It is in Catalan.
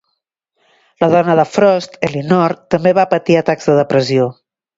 La dona de Frost, Elinor, també va patir atacs de depressió.